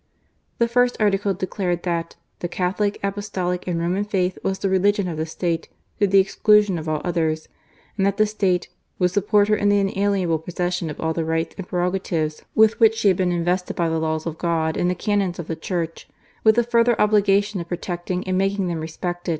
The first article declared that " the Catholic, Apostolic, and Roman Faith was the religion of the State to the exclusion of all others ;" and that the State ''would support her in the inalienable possession of all the rights and prerogatives with which she had been invested by the laws of God and the Canons of the Church, with the further obli gation of protecting and making them respected."